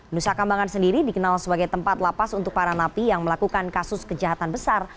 nusa kambangan sendiri dikenal sebagai tempat lapas untuk para napi yang melakukan kasus kejahatan besar